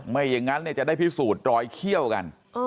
ไม่อย่างนั้นจะได้พิสูจน์รอยเขี้ยวกัน